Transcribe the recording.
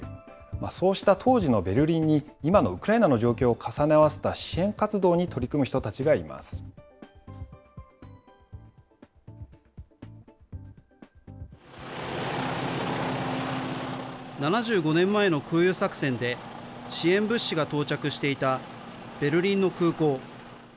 そうした当時のベルリンに、今のウクライナの状況を重ね合わせた支援活動に取り組む人たちがいま７５年前の空輸作戦で、支援物資が到着していたベルリンの空港。